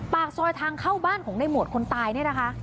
ปากซอยทางเข้าบ้านของในหมวดคนตายเนี่ยนะคะ